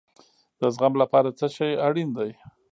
د زغم لپاره څه شی اړین دی؟